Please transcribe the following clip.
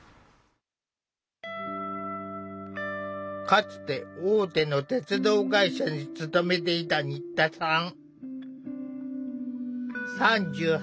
かつて大手の鉄道会社に勤めていた新田さん。